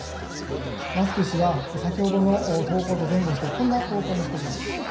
マスク氏は先ほどの投稿と前後して、こんな投稿もしています。